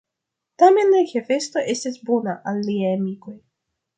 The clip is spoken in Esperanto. Tamen Hefesto estis bona al liaj amikoj.